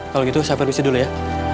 kalau gitu saya periksa dulu ya